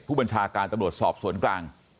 ผู้บัญชาการตำรวจสอบสวนกลาง